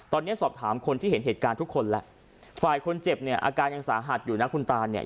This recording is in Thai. ตอนนี้สอบถามคนที่เห็นเหตุการณ์ทุกคนแล้วฝ่ายคนเจ็บเนี่ยอาการยังสาหัสอยู่นะคุณตาเนี่ย